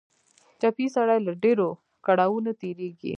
ټپي سړی له ډېرو کړاوونو تېرېږي.